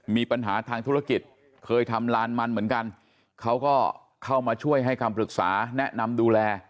มีปัญหาทางธุรกิจเคยทำลานมันเหมือนกันเขาก็เข้ามาช่วยให้คำปรึกษาแนะนำดูแล